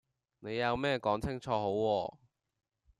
你有咩講清楚好喎